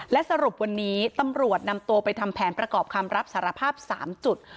และสรุปวันนี้ตำรวจนำตัวไปทำแผนประกอบคำรับสารภาพ๓จุด